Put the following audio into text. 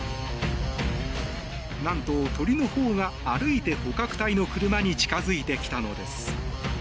何と鳥のほうが歩いて捕獲隊の車に近づいてきたのです。